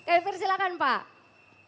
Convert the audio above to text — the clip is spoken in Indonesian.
efer silakan pak